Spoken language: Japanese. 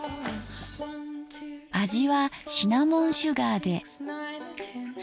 味はシナモンシュガーで。